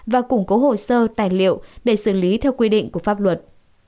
và củng cố hồ sơ tài liệu để xử lý theo quy định của pháp luật